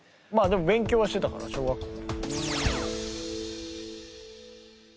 でも勉強はしてたかな小学校。